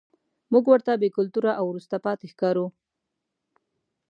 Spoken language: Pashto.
موږ ورته بې کلتوره او وروسته پاتې ښکارو.